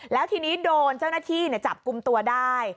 แล้วทีนี้โดนเจ้าหน้าที่จับกลุ่มตัวได้